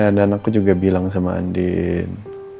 ya dan aku juga bilang sama andin